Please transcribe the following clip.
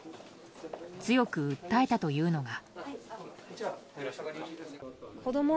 強く訴えたというのが。